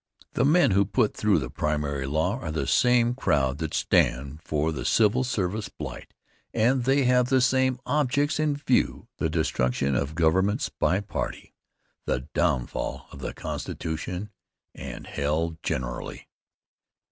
The men who put through the primary law are the same crowd that stand for the civil service blight and they have the same objects in view the destruction of governments by party, the downfall of the constitution and hell generally.